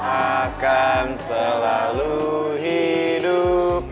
akan selalu hidup